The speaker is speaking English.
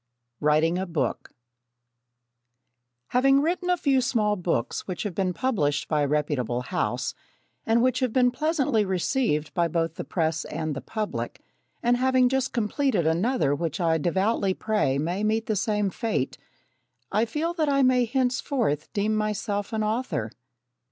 Writing a Book Having written a few small books which have been published by a reputable house, and which have been pleasantly received by both the press and the public, and having just completed another which I devoutly pray may meet the same fate, I feel that I may henceforth deem myself an author.